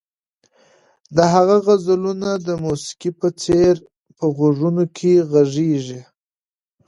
د هغه غزلونه د موسیقۍ په څېر په غوږونو کې غږېږي.